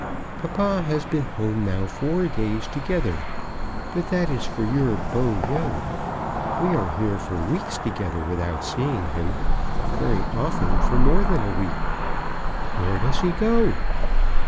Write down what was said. Papa has been home now four days together; but that is for your beaux yeux. We are here for weeks together without seeing him; very often for more than a week." "Where does he go?"